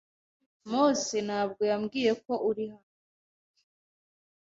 Mose ntabwo yambwiye ko uri hano.